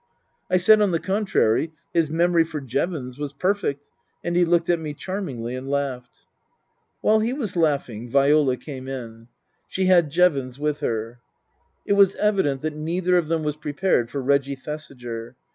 I said, on the contrary, his memory for Jevons was perfect, and he looked at me charmingly and laughed. While he was laughing Viola came in. She had Jevons with her. It was evident that neither of them was prepared for Reggie Thesiger.